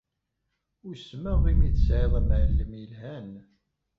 Usmeɣ imi tesɛiḍ amɛellem yelhan.